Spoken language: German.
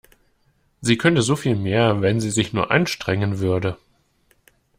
Sie könnte so viel mehr, wenn sie sich nur anstrengen würde.